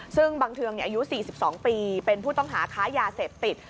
ซึ่งบังเทืองอายุ๔๒ปีเป็นผู้ต้องหาค้ายาเสพติด